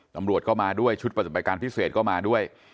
ตำรวจเข้ามาด้วยชุดประจำไปการพิเศษเข้ามาด้วย